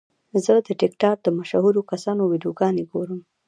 زه د ټک ټاک د مشهورو کسانو ویډیوګانې ګورم.